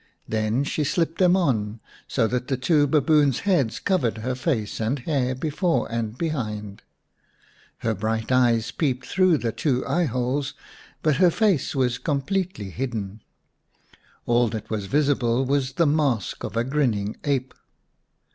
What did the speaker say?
Then she slipped them on so that the two baboons' heads covered her face and hair before and behind. Her bright eyes peeped through the two eye holes, but her face was completely 141 Baboon Skins xn hidden. All that was visible was the mask of a grinning ape.